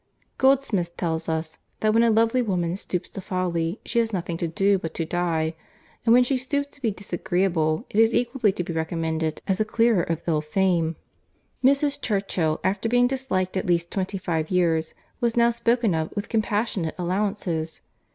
Goldsmith tells us, that when lovely woman stoops to folly, she has nothing to do but to die; and when she stoops to be disagreeable, it is equally to be recommended as a clearer of ill fame. Mrs. Churchill, after being disliked at least twenty five years, was now spoken of with compassionate allowances.